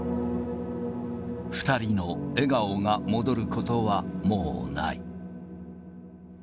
２人の笑顔が戻ることはもうない。